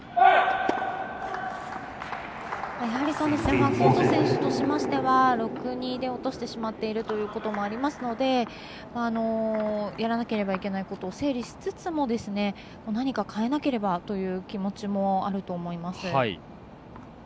ファンコート選手としては６−２で落としてしまっているということもありますのでやらなければいけないことを整理しつつも何か変えなければという気持ちもあると思います。